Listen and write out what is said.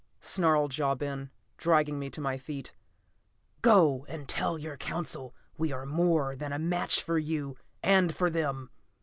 snarled Ja Ben, dragging me to my feet. "Go, and tell your Council we are more than a match for you and for them."